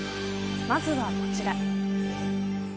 まずはこちら。